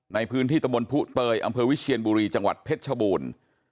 ในพื้นที่ตะมนต์ผู้เตยอำเภอวิเชียนบุรีจังหวัดเพชรชบูรณ์